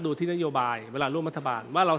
พูดอย่างนั้นไม่ได้นะครับ